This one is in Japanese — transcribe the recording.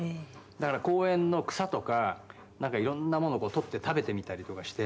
だから公園の草とかいろんなもの採って食べてみたりとかして」